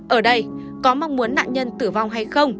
ở đây có mong muốn nạn nhân tử vong hay không